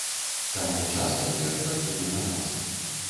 Таму час цяпер працуе на нас.